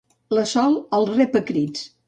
La Sol el rep a crits.